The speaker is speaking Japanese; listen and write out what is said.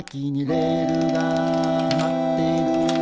「レールがーまってるー」